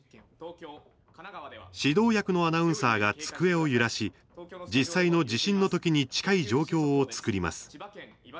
指導役のアナウンサーが机を揺らし実際の地震のときに近い状況を作ります。